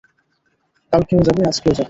কালকেও যাবি, আজকেও যাবি।